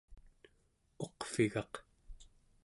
uqvigaq